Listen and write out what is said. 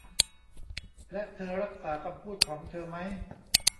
และเธอรักษาคำพูดของเธอมั้ย